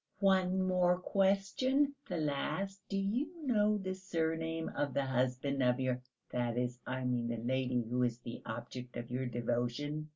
"One more question, the last: do you know the surname of the husband of your ... that is, I mean the lady who is the object of your devotion?"